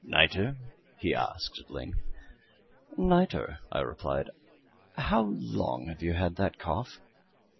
"Nitre?" he asked, at length. "Nitre," I replied. "How long have you had that cough?"